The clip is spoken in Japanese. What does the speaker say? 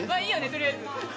とりあえず。